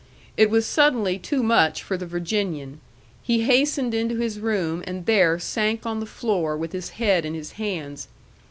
It was suddenly too much for the Virginian. He hastened into his room, and there sank on the floor with his head in his hands.